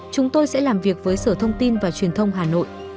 chúng tôi sẽ làm việc với sở thông tin và truyền thông hà nội